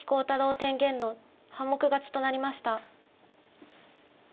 天元の半目勝ちとなりました。